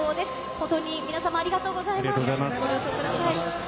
本当に皆さま、ありがとうございます。